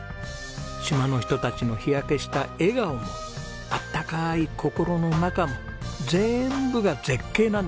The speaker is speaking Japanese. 島の人たちの日焼けした笑顔もあったかい心の中も全部が絶景なんです。